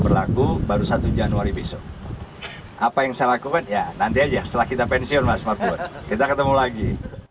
berlaku baru satu januari besok apa yang saya lakukan ya nanti aja setelah kita pensiun mas markun kita ketemu lagi